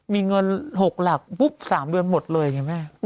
มีเงิน๖หลักปุ๊บ๓เดือนหมดเลยเห็นไหม